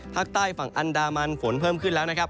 ภาคใต้ฝั่งอันดามันฝนเพิ่มขึ้นแล้วนะครับ